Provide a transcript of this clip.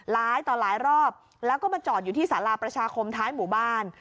ต่อหลายรอบแล้วก็มาจอดอยู่ที่สาราประชาคมท้ายหมู่บ้าน